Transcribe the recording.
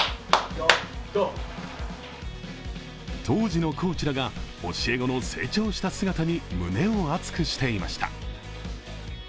当時のコーチらが教え子の成長した姿に胸を熱くしていました。